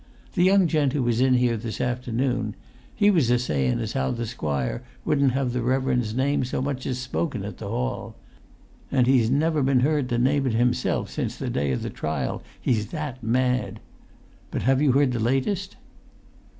The young gent who was in here this afternoon, he was a sayun as how the squire wouldn't have the reverend's name so much as spoken at the hall; and he's never been heard to name it himself since the day of the trial, he's that mad. But have you heard the latest?"